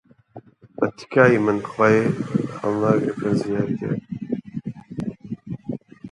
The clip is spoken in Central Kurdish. بە تکای من کە خوا هەڵناگرێ، پێنج دیناری دایە